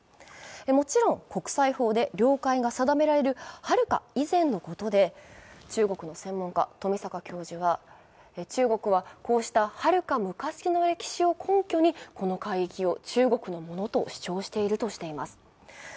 もちろん国際法で領海が定められるはるか以前のことで、中国の専門家富坂教授は、中国はこうした遙か昔の歴史を根拠にこの海域を中国のものと主張しているとしています。